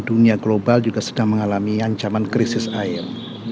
dunia global juga sedang mengalami ancaman krisis air